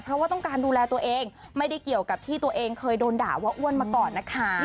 เพราะว่าต้องการดูแลตัวเองไม่ได้เกี่ยวกับที่ตัวเองเคยโดนด่าว่าอ้วนมาก่อนนะคะ